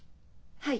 はい。